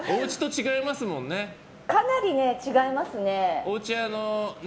かなり違いますね。